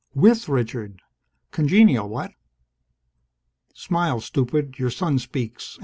With Richard! Congenial, what? Smile, stupid. Your son speaks.